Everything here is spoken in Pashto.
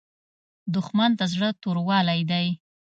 دښمن د زړه توروالی دی